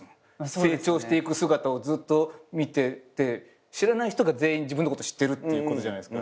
成長していく姿をずっと見てて知らない人が全員自分のこと知ってるってことじゃないっすか。